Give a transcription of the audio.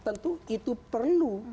tentu itu perlu